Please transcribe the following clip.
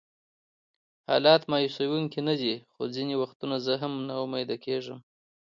حالات مایوسونکي نه دي، خو ځینې وختونه زه هم ناامیده کېږم.